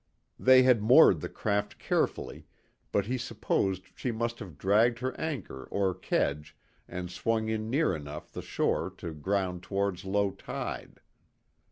They had moored the craft carefully, but he supposed she must have dragged her anchor or kedge and swung in near enough the shore to ground towards low tide.